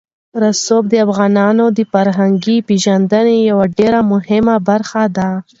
رسوب د افغانانو د فرهنګي پیژندنې یوه ډېره مهمه برخه ده.